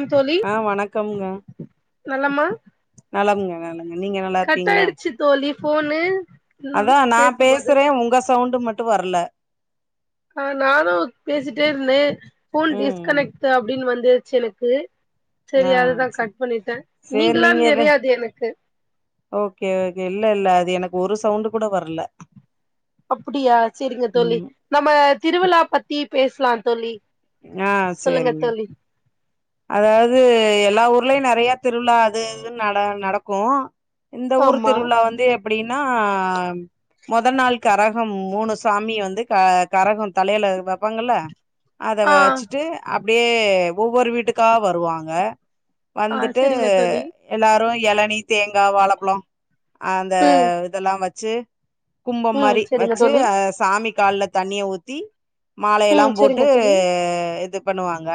ம் தோழி ஆ வணக்கம்ங்க நலமா நலம்ங்க நலங்க நீங்க நல்லா கட் இருக்கீங்ளா ஆயிடுச்சு தோழி ஃபோனு ம் அதா நா பேசும்போது பேசுறே உங்க சவுண்டு மட் ட்டு வரல ஆ நானு பேசிட்டேயிருந்தே ஃபோன் ம் டிஸ்கனெக்ட் அப்டினு வ து ச்சலக்கு ஆ சே சேர் நீங்களா நீங்களே தா தெரியாது எனக்கு ஓகே கே இல்ல இல்ல அது எனக்கு ஒரு சவுண்டு கூட வரல அப்டியா ச்சேரிங்க தோலி ம் நம்ம திருவிலா பத்தி பேசலா தோழி ஆ சொல்லுங்க சேரிங்க தோழி அதாவது எல்லா ஊர்லயு நெறயா திருவிலா அது இதுனு நட நடக்கோ இந்த ஊர் ஆமா திருவிலா வந்து எப் அப்டின்னா மொத நாள் கரகோ மூணு சாமி வந்து க கரகோ தலையில வப்பாங்கல்ல அத ஆ வச்சுட்டு அப் அப்டியே ஒவ்வொரு வீட்டுக் ஆ வந்துட்டு செரிங்க தோழி எல்லாரு எளனி தேங்கா வாழப்பழோ அந்த ம் இதெல்லா வச் ஜே கும்பம் ம் மாரி செரிங்க வச்சு தோழி ஆ சாமி கால்ல தண்ணிய ஊத்தி மாலையெல்லா ம் செரிங்க போட்டு தோழி இது பண்ணுவாங்க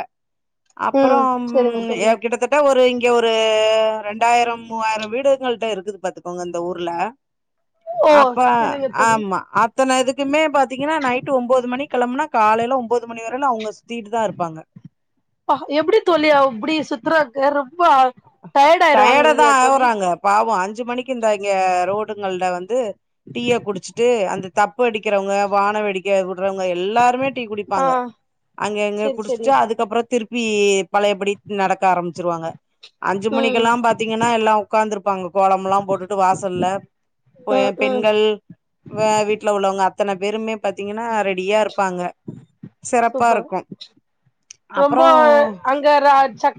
அப்புறோ ம் செரிங்க ம் ஏ தோழி கிட்டத்தட்ட ஒரு இங்க ஒரு ரெண்டாயிரம் மூவாயிரம் வீடுங்கள்ட இருக்குது பாத்துக்கோங்க இந்த ஊர்ல ஓ அப்பா செரிங்க தோழி ஆமா அத்தன இதுக்குமே பாத்தீங்கன்னா நைட் ஒன்போது மணிக் கெளம்னா காலேல ஒன்பது மணி வரேலு அவுங்கஸ் சுத்திட்டு தா இருப்பாங்க பா எப்டி தோழி அப்டி சுத்துறாங்க ரொம்பா டயர்டா தா ஆவுறாங்க பாவோ அஞ்சு மணிக்கு இந்தா இங்க ரோட் டுங்கள்ட வந்து டீய குடிச்சிட்டு அந்தத் தப்பு அடிக்கிறவங்க வானோவேடிக்கவு றவங்க எல்லாருமே டீ ஆ குடிப்பாங்க அங்கங்க செரி செரி குடிச்சுட்டு அதுக்கப்றோ திருப் வீ இப் பழையபடித் நடக்க ஆரம்பிச்சிருவாங்க அஞ்சு மணிக் ம் இங்கெல்ல பாத்தீங்கன்னா எல்லா உக்காந்துருப்பாங்க கோலமெல்லா போட்டுட்டு வாசல்ல போய ம் ம் பெண்கள் வ வீட்ல உள்ளவங்க இத்தன பேருமே பாத்தீங்கன்னா ரெட் டியாருப்பாங்க சூப்பர் சிறப்பாருக்கும் அப்றோ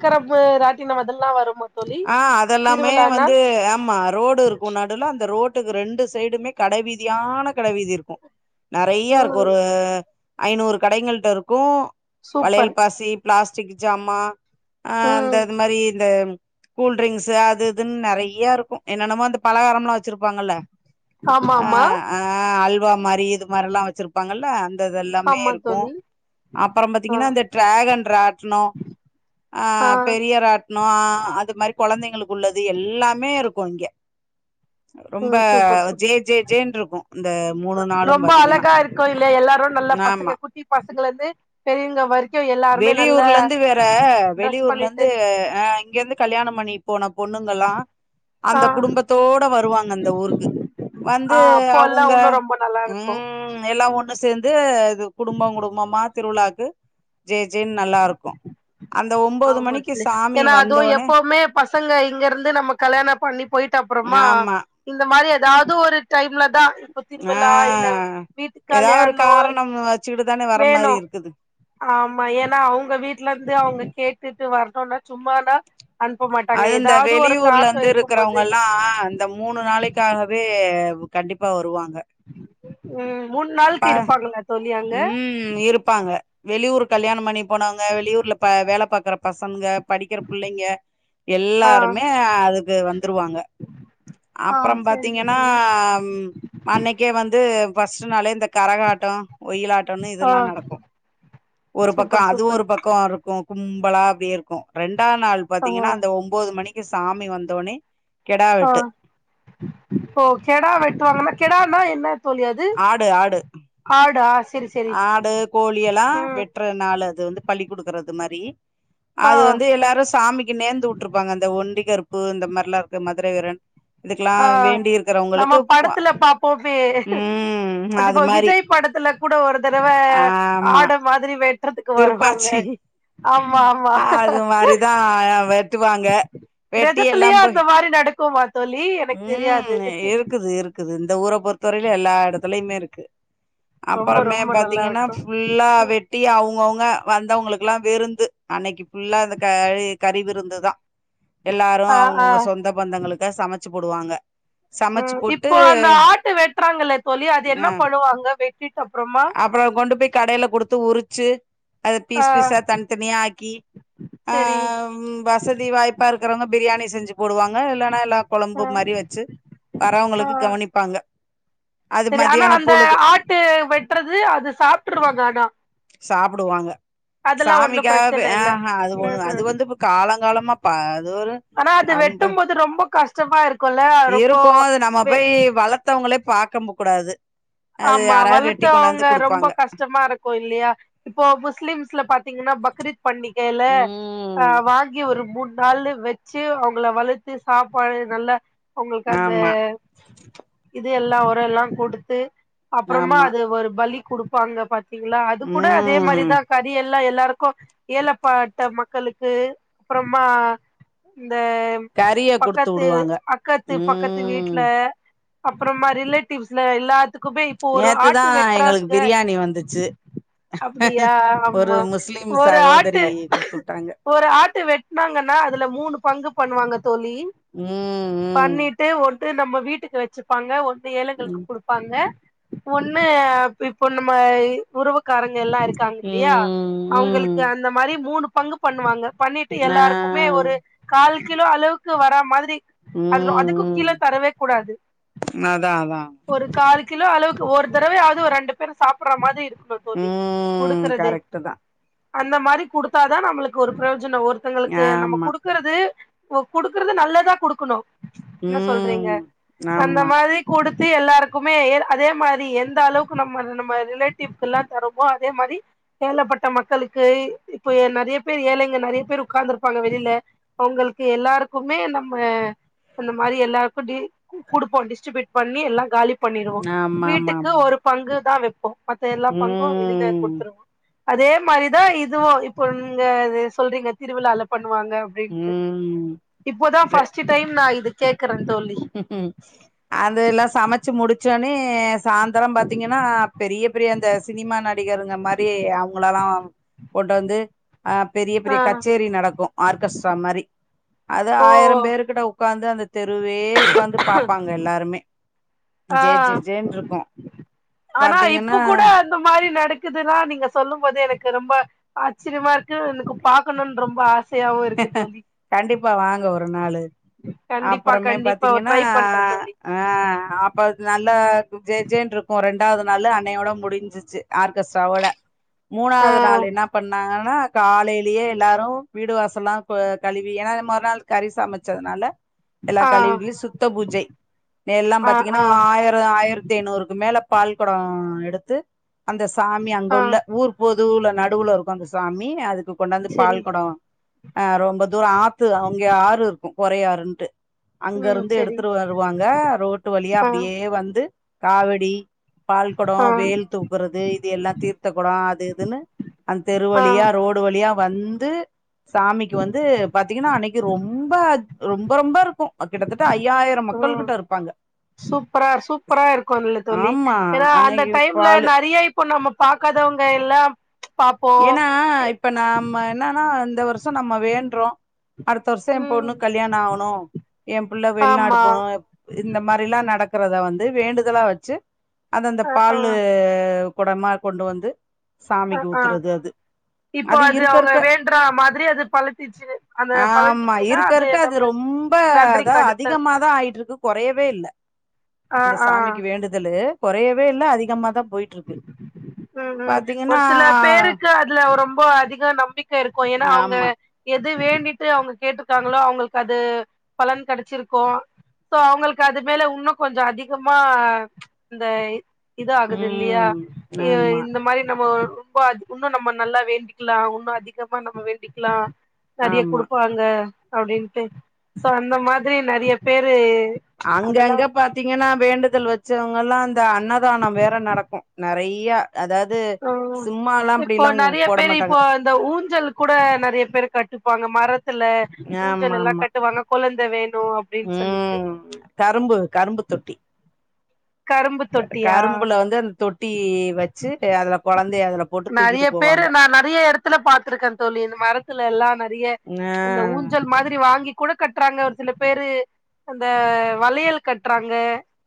கரப்மு ராட்டினம் அதெல்லா வரும்மா ஆ அதெல்லாமே வந்து ஆமா ரோடிருக்கும் நடுவுல அந்த ரோட் டுக்கு ரெண்டு சைடுமே கட வி தியான கட வீதி இருக்கும் நறைய இருக்கும் ம் ஒரு ஐநூறு கடைங்கள்டருக்கும் சூப்பர் வளையல் பாசி ப்ளாஸ்டிக் ஜாமா ஆ அந்த ம் அதுமரி இந்த கூல்ரிங்க்ஸ் அது இதுன்னு நறையருக்கும் என்னென்னமோ அந்த பலகாரம்லா வச் வச்சிருப்பாங்கள ஆமா அ ஆமா ஆ அல்ப் [unintelligible] மாரி இது மாரிலா வச்சிருப்பாங்கல்ல த தெல்லாமே ஆமா இருக்கு தோழி அப்பறோ ஆ பாத்தீங்கன்னா இந்த டிராகன் ராட்டினோ ஆ பெரிய ராட் நா அத் து மாரி கொழந்தைங்களுக்குள்ளது எல்லாமே இருக்கு இங்க ரொம்ப ம் சூப்பர் ஜே சூப்பர் ஜே ஜேனு இருக்கு இந்த மூணு நாளும் ரொம்ப பாத்தீங்கன்னா அழகா இருக்கு இல்ல எல்லாரு நல்ல பசங்க ஆமா குட்டி பசங் ங்களருந்து பெரியவங்க வரை வெளியூர்ல இருந்து வேற ட்ரெஸ் வெளியூர்ல பண்ணிட்டு இருந்து அ இங்கருந்து கல்யாண பண்ணிட் போன பொண்ணுங்கல்லா ஆ அந்த குடும்பத்தோட வருவாங்க அந்த ஊருக்கு ஆ வந்து அப்போல்லா அவங்க உன்னு ரொம்ப நல்லா உ இருக்கு எல்லா ஒண் ஆ சேர்ந்து இது குடும்போ குடும்பமா திருவிழாக்கு ஜெ ஜெனு நல்லா இருக்கு அந்த ஒம்போது ஆமா மணிக்கு தோழி சாமி ஏன்னா அதுவு வந்தோனே எப்பவுமே பசங்க இங்க இருந்து நம்ம கல்யாணோ பண்ணி போயி டப்புறமா ஆமா இந்த மாரி ஏதாவது ஒரு டைம்ல [unintelligible] இப்ப ஆ திருவிழா இல்ல வீட்டு ஏதாவது ஒரு கல்யாணோ காரணம் வச்சுக்கிட்டு தானே வர வேணு மாரி இருக்குது ஆமா ஏன்னா அவங்க வீட்டுலருந்து அவங்க கேட்டுட்டு வரணும்னா சும்மானா அனுப்ப மாட்டாங்க அது இந்த ஏதாவது ஒரு வெளியூர்ல காரணோ இருந்து இருக்கும் போது இருக்கிறவங்களா இந்த மூணு நாளைக்காகவே கண்டிப்பா வருவாங்க அ உ மூணு நாளுக்கு இருப்பாங்கள தோழி அங்க ம் இருப்பாங்க வெளியூர் கல்யாணோ பண்ணி போனவங்க வெளியூர்ல வேல பாக்குற பசங்க படிக்கிற புள்ளைங்க ஆ எல்லாருமே அது து வந் வந்துருவாங்க ஆ அப்புறோ சரிங்க பாத்தீங்கன்னா தோழி உ அன்னைக்கே வந்து ஃபஸ்ட் இல்ல இந்த கரகாட்டோ ஒயிலாட்டம்னு ஆ இதெல்லா நடக்கு ஒரு பக்கோ சூப்பர் அது சூப்பர் ஒரு பக்கோ கு கும்பலா அப்டியே இருக்கு ரெண்ட் முந்தாநாள் ஆ பாத்தீங்கன்னா அந்த ஒம்போது மணிக் இங்க சாமி வந்த ஒனே ஆ ஓ கெடா வெட்டுவாங்கன்னா கெடா னா என்ன தோழி அது ஆடு ஆடு ஆடா சரி சரி ஆடு கோழி எல்லா ம் வெட்டற நாள அது வந்து பலி கொடுக்கறது மாரி ஆ அது வந்து எல்லாரு சாமிக்கு நேந்து உட்டுருப்பாங்க அந்த ஒண்டிகரு உப்பு இந்த மாரிலாம் இருக்க மாதிரி வேற என் ஆ நம்ம படத்துல பாப்போமே ம் அது இப்போ மாரி விஜய் படத்துல கூட கூட ஒரு தடவ ஆமா ஆடு மாதிரி வெட்டுறதுக்கு வருவாங்க திருப்பாச்சி ஆமா ஆமா டுவாங்க வெட்டி எல்லா போய் குமா தோழி எனக்கு தெரியாது ம் இருக்குது இருக்குது இந்த ஊரை பொறுத்தவரையில எல்லா இடத்துலயுமே இருக்கு ரொம்ப அப்பறமே ரொம்ப நல்லா பாத்தீங்கன்னா இருக்கு ஃபுல்லா ம் வெட்டி அவுங்கவுங்க வா வந்தவங்களுக்குல்லா விருந்து அன்னைக்கு ஃபுல்லா அந்த கறி கறி விருந்துதா எல்லாரு ஆ ஆ அவுங்கவுங்க சொந்த பந்தங்களுக்கு சமச் ச்சி போடுவாங்க சமைச்சு ம் போட்டு இப்போ அந்த ஆட்டு வெட்டுறாங்க இல்ல தோழி அது அ என்ன பண்ணுவாங்க வெட்டிட்டு அப்பறமா அப்புறம் கொண்டு போய் கடையில குடுத்து உரிச்சு, அத பீஸ் பீஸா தனித்தனியா ஆக்கி ஆ செரி வசதி வாய்ப்பா இருக்கறவங்க பிரியாணி செஞ்சு போடுவாங்க இல்லனா எல்லா ஆ ஆ கவனிப்பாங்க. அது செரி ஆனா மதியான அந்த பொழுது ஆட்டு வெட்டுறது அது சாப்ட்டுருவாங்க ஆனா சாப்புடுவாங்க அதெல்லா ஒன்னு சாமிக்காவே பிரச்சன இல்ல ஆஹ அது ம் ஒண்ணு ம் அது வந்து இப்ப காலங்காலமா பா ஒரு ஆனா அது அம்ப வெட்டும் போது ரொம்ப கஷ் இருக்கு அது நம்ம போய் வளத்தவங்களே பாக்கம்ப கூடாது அது ஆமா யாராவது வெட்டி வளத்தவங்க கொண்டாந்து ரொம்ப குடுப்பாங்க கஷ்டமா இருக்கும் இல்லயா இப்போ முஸ்லிம்ஸ்ல பாத்தீங்கன்னா பக் கிரித் பண்டிகையில ஆ ம் வாங்கி ஒரு மூண் நாளு வெச்சு அவுங்கள வளத்து சாப்பாடு நல்ல உங்களுக்கு அந்த ஆமா எல்லா ஒரோ எல்லாம் கொடுத்து அப்புறமா ஆமா அது ஒரு பலி கொடுப்பாங்க பாத் கீங்களா அது கூட அதே ம் மாரிதா கறி எல் ஃபுல்லா எல்லாருக்கு ஏலப்பட்ட மக்களுக்கு அப்புறமா இந்த கறிய குடுத்து பக்கத்து வுடுவாங்க அக்கத்து பக்கத்து ம் வீட்ல அப்புறமா ரிலேட்டிவ்ஸ்ல எல்லாத் துக்குமே இப்ப ஒரு நேத்துதா ஆட்டு எங்களுக்கு வெட்டுறாங்க பிரியாணி வந்துச்சு அப்புடியா ஒரு ஆம்மா முஸ்லிம் ஒரு ஆட்டு சகோதரி குடுத்து வுட்டாங்க ஒரு ஆட்டு வெட்டுனாங்கன்னா அதுல மூணு பங்கு பண்ணுவாங்க தோழி ம் பண்ணிட்டு ஒர் டு நம்ம வீட்டுக்கு வெச்சுப்பாங்க ஒன் னு ஏழைகளுக்கு ம் குடுப்பாங்க ஒண்ணு இப்போ நம்ம உருவுக்காரங் எல்லா இருக்காங்க இல்லையா ம் ம் அவங்களுக்கு ம் அந்த மாரி மூணுப் பங்கு பண்ணுவாங்க பண்ணிட்டு ஆ எல்லாருக்குமே ஒரு கால் கிலோ அளவுக்கு வர மாதிரி அதுரு ம் அதுக்கு ம் கீழ தரவே கூடாது அதா அதா ஒரு கால் கிலோ அளவுக்கு ஒரு தடவையாவது ஒரு ரெண்டு பேர் சாப்புடுற மாதிரி இருக்கு ஆமா தோழி ம் குடுக்கறது கரெக்ட்டு தா அந்த மாரி குடுத்தாதா நம்மளுக்கு ஒரு பிரியோ ஞ்சுனோ ஒருத்தங்களுக்கு நம்ம ஆமா குடுக்கறது ஓ குடுக்குறது நல்லதா குடுக்கணு என்ன சொல்றீங்க ம் அந்த ஆமா மாதிரி குடுத்து எல்லாருக்குமே அதே மாரி எந்த அளவுக்கு நம்ம நம்ம ரிலேட்டிவ்க எல்லாம் தருமோ அதே மாரி ஏலப்பட்ட மக்களுக்கு இப்போ நெறய பேர் ஏழைங்க நெறய பேர் உட்காந்துருப்பாங்க வெளியில அவுங்களுக்கு எல்லாருக்குமே நம்ம இந்த மாதிரி எல்லாருக்கு கொடுப்போ டிஸ்ட்ரிபியூட் பண்ணி எல்லா காலி பண்ணிருவோ ஆமா ஆமா வீட்டுக்கு ஆமா ஒரு ஆமா பங்கு தான் வெப்ப மத்த எல்லா பங்கு வெளியில ம் குடுத்துருவோம் அதே மாரிதா இதுவு இப்போ நீங்க சொல்றீங்க திருவுழால பண்ண வாங்க அப்டின்ட்டு ம் இப்போதா பஸ்டு டைம் நா இதுக்கு சேக் உஹம் உம் அத எல்லா சமச்சு முடிச்சு சாயந்தரம் பாத்தீங்கனா பெரிய பெரிய அந்த சினிமா நடிகருங்க மாரி அவுங்களல்லா கொண்டு வந்து அ பெரிய ஆ பெரிய கச்சேரி நடக்கு ஆர்கெஸ்ட்ரா மாரி அது ஓ ஆயிர பேரு கிட்ட ஒக்காந்து அந்த தெரு தெருவே உக்காந்து பாப்பாங்க எல்லாருமே ஆ ஜே ஜே ஜேனு இருக்கு பாத்தீங்கனா இருக்குதுனா நீங்க சொல்லும் போது எனக்கு ரொம்ப ஆச்சரியமா இருக்கு எனக்கு பாக்கணும்னு ரொம்ப ஆச கண்டிப்பா வாங்க ஒரு நாலு கண்டிப்பா அப்பறமே கண்டிப்பா பாத்தீங்கனா ட்ரை பண்றே தோழி அ ஆ அப்ப நல்ல ஜே ஜே ன்னு இருக்கு ரெண்டு அதனால நால அன்னையோட முடிஞ்சிச்சு ஆர்கஸ்ட்ராவோட ஆ மூனாவது நாள் என்னா பண்ணாங்கன்ன ஆனா காலையிலயே எல்லாரு வீடு வாசல்லா கழுவி ஏன்னா மறுநாள் கறி சமச்சதுனால எல்லா ஆ கழுவு கிழுவி சுத்த பூஜை எல்லா ஆ பாத்தீங்கனா ஆ ஆயிர ஆயிரத்து ஐநூறுக்கு மேல பால் கொட அடுத்து அந்த சாமி அங்க ஆ உள்ள ஊர் போது அதுல நடுவுல்ல இருக்கு அந்த சாமி அதுக்கு கொண்டாந்து செரி பால் கொடொ ஆ ரொம்ப தூரம் ஆ த்து அவங்க ஆறு இருக்கு பொறையாறுண்டு அங்க ம் இருந்து செரி எடுத்துட்டு வருவாங்க ரோட்டு வழியா ஆ அப்டியே வந்து காவடி பால்கொடோ ஆ வேல் தூக்குறது இது எல்லா தீர்த்த கொடோ அது இதுன்னு அந்த ஆ தெருவலியா ரோடு வழியா வந்து சாமிக்கு வந்து பத் பாத்தீங்கன்னா அன்னைக்கு ரொம்ப ரொம்ப ரொம்ப இருக்கு கிட்டத்தட்ட ஐ உ சூப்பரா சூப்பரா இருக்கும்ல தோலி ஆமா ஏன்னா அந்த அன்னைக்கு டைம்ல பாலு நெறையா இப்போ நம்ம பாக்காதவங்க எல்லா பாப்போ ஏன்னா இப்ப நாம என்னன்னா இந்த ஒரு சோ நம்ம வேண்றோ அடுத்த வருஷோ எ ம் பொண்ணுக் கல்யாணோ ஆகணும் எ புள்ள வெளிநாடு ஆமா போணு இந்த மாரிலா நடக் இருக்கிறத வந்து வேண்டுதலா வச்சு அதந்த அ ஆ பாலு கொடமா கொண்டு வந்து அ சாமிக்கு ஊத் ஆ த்றது அது இப்போ அது இருக்க அவங்க இருக்க வேண்ற மாதிரி அது பழுத்திச்சு அந்த ஆமா பழஞ்சிச்சுன்னா இருக்க இருக்க அது நம்ம ரொம்ப நன்றி தா கடத்தல் அதிகமாதா ஆயிட்ருக்கு குறையவே இல்ல ஆ அந்த ஆ சாமிக்கு வேண்டுதலு கொறையவே இல்ல அதிகமாதா போய்ட்ருக்கு பாத்தீங்கன்னா க்கு அதுல ரொம்ப அதிக நம்பிக்க இருக்கு ஏன்னா அவங்க ஆமா எ இது வேண்டிட்டு அவங்க கேட்டுருக்காங்களோ அவங்களுக்கு அது பலன் கெடச்சிருக்கு சோ அவங்களுக்கு அது மேல இன்னு கொஞ்சோ அதிகமா இந்த இதா இல்லையா ம் ஆமா இந்த மாரி நம்மோ ரொம்ப இன்னு நம்ம நல்லா வேண்டிக்கலா இன்னு அதிகமா நம்ம வேண்டிக்கலா நெறையா ஆமா குடுப்பாங்க அப்டின்ட்டு சோ அந்த மாதிரி நெறையா பேரு அதெல்லா அங்கங்க பாத்தீங்கன்னா வேண்டுதல் வச்சோ வல்லா [unintelligible] அன்னதானோ வேற நடக்கு நெறை இயா ஓ இப்போ நெறைய போட பேரு மாட்டாங்க இப்போ இந்த ஊஞ்சல் கூட நெறைய பேரு கட்டுப்பாங்க மரத் த்துல ஊஞ்சல் ஆமா எல்லா ஆமா கட்டுவாங்க கொழந் த வேண் ம் கரும்பு கரும்பு தொட்டி கரும்பு தொட்டியா கரும்புல வந்து அந்த தொட்டி வச்சு அதுல கொழந்தைய அதுல போட்டு நெறைய தூக்கிட்டு பேரு போவாங்க நா நெறைய எடத்துல பாத்துருக்கந் தோழி இந்த மரத்துல எல்லா நறைய ஆ இந்த ஊஞ்சல் மாதிரி வாங்கி குழு கட்றாங்க ஒரு சில பேரு அந்த வளையல் கட்றாங்க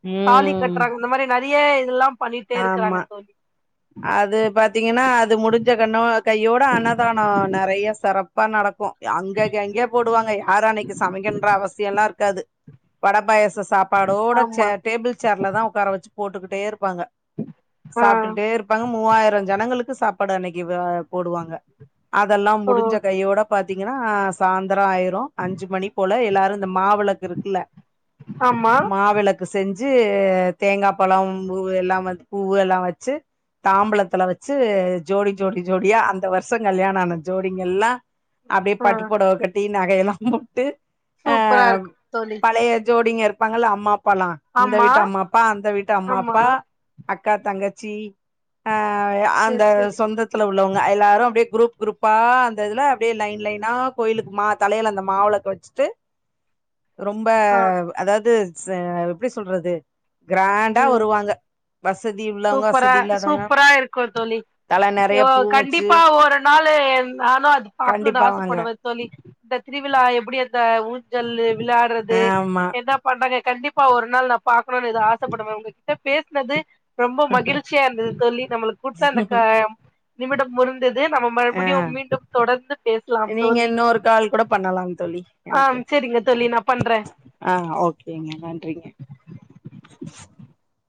ம் கட்றாங் இந்த மாரி நர் நெறைய இதெல்லாம் ஆமா அது பாத்தீங்கன்னா அத் இது முடுஞ்ச கன்னோ அத் கையோட அன்னதானோ நெறைய செறப் அப்ப நடக்கு அங்க அங்கயே போடுவாங்க யாரு அன்னிக்கு சமைக்கின்ற அவசிய எல்லா இருக்காது வட பாயஸ் ச்ச சாப்பாடோட ஆமா சேர் டேபிள் சேர்லதா ஒக்கார வெச்சு போட்டுக்கிட்டே இருப்பாங்க ஆ சாப்ட்டுட்டே இருப்பாங்க மூவாயிரோ ஜனங்களுக் து சாப்பாடு அன்னிக்கு அ போடுவாங்க அதெல்லா ஓ முடுஞ்ச கையோட பாத்தீங்கன்னா சாந்துரோ ஆயிரு அஞ்சு மணி போல எல்லாருந் இந்த மாவிளக்கு இருக்குல்ல ஆமா மாவிளக்கு செஞ்சு ஞ்சு தேங்கா பழம் பூவு எல்லாம் வெச் பூ எல்லாம் வெச்சு தாம்பளத்துல வெச்சு ஜோடி ஜோடி ஜோடியா அந்த வருஷோங் கல்யாண ஆன ஜோடிங்க எல்லா அப்டியே ஆ பட்டுப்பொடவ கட்டி நகையெல்லாம் போட்டு அ சூப்பரா இருக்கு தோழி பழைய ஜோடிங்க இருப்பாங்கள்ல அம்மா அப் ப்பலா இந்த ஆமா வீட்டு அம்மா அப்பா அந்த வீட்டு அம்மா ஆமா அப்பா அக்கா தங்கச்சி ஆ அந்த சேரி சேரி சொந்தத்துல உள்ளவங்க எல்லாரு அப்பிடியே குரூப் குரூப்பா அந்ததுல்ல அப்பிடியே லைன் லைன் ன்னா கோயிலுக்குமா தலையில அந்த மாவுளக்கு வச்சிட்டு ரொம்ப ஆ அதாவது சே எப்பிடி சொல்றது கிராண்டா ம் வருவாங்க வசதி உள்ளவங்க சூப்பரா வசதி இல்லாதவங்க சூப்பரா இருக்கு தோழி தல நெறைய பூ வச்சு கண்டிப்பா ஒரு நாளு நானு அது பாக்கணுட கண்டிப்பா வாங்க ஆசைப்படுவே தோழி ந்த திரிவிழா எப்பிடி அந்த ஊஞ்சலு விளாறது ஆமா என்ன பண்டங்க கண்டிப்பா ஒரு நாள் நா பாக்கணு இத ஆசப்படுவே உங்ககிட்ட பேசுனது ரொம்ப மகிழ்ச்சியா இருந்தது தோழி நம்மளுக்கு குடுத்த அந்த க நிமிடம் முரு ந்தது நம்ம ஆ மறுபடியு மீண்டும் தொடர்ந்து பேசலாம் நீங்க தோழி இன்னொரு கால் கூட பண்ணலாம் தோழி ஆ எனக்கு செரிங்க தோழி நா பண்றே ஆ ஓகேங்க நன்றிங்க [inaudible]